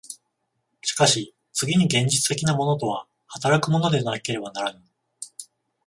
しかし次に現実的なものとは働くものでなければならぬ。